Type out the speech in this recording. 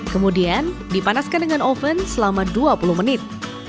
kemudian dipanaskan dengan oven selama dua puluh menit